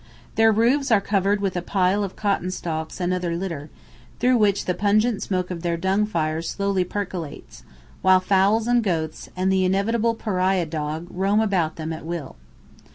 Their roofs are covered with a pile of cotton stalks and other litter, through which the pungent smoke of their dung fires slowly percolates, while fowls and goats, and the inevitable pariah dog roam about them at will.